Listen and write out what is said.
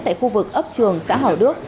tại khu vực ấp trường xã hảo đước